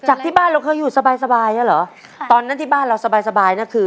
จากที่บ้านเราเคยอยู่สบายสบายแล้วเหรอตอนนั้นที่บ้านเราสบายสบายน่ะคือ